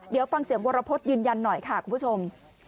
เดี๋ยวฟังเสียงวรพฤษยืนยันหน่อยค่ะคุณผู้ชม